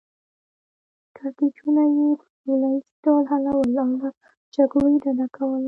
کړکیچونه یې په سوله ییز ډول حلول او له جګړو یې ډډه کوله.